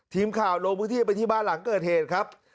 ทีมข่าวโลกพฤติไปที่บ้านหลังเกิดเหตุครับ